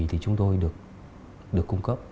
thì chúng tôi được cung cấp